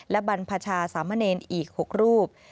และบรรพชาสามเณรอีก๖รูป